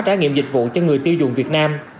trải nghiệm dịch vụ cho người tiêu dùng việt nam